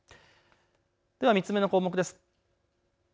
では３つ目の項目です。